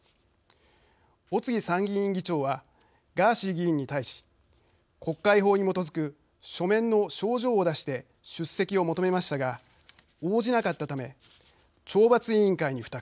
尾参議院議長はガーシー議員に対し国会法に基づく書面の招状を出して出席を求めましたが応じなかったため懲罰委員会に付託。